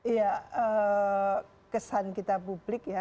iya kesan kita publik ya